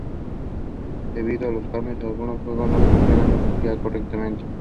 Debido a los cambios algunos juegos no funcionan ya correctamente.